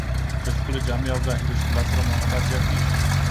د ښکلې جامې او ظاهري ښکلا سره محبت زیاتېږي.